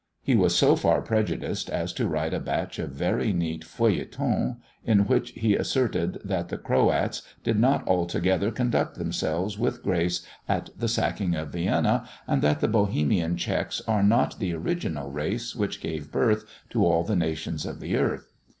He was so far prejudiced as to write a batch of very neat Feuilletons, in which he asserted that the Croats did not altogether conduct themselves with grace at the sacking of Vienna, and that the Bohemian Czechs are not the original race which gave birth to all the nations of the earth.